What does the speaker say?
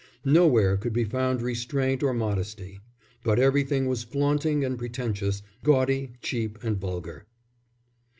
Nowhere could be found restraint or modesty, but everything was flaunting and pretentious, gaudy, cheap and vulgar.